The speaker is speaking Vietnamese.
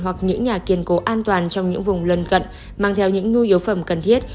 hoặc những nhà kiên cố an toàn trong những vùng lân cận mang theo những nhu yếu phẩm cần thiết